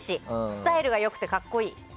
スタイルが良くて格好いい。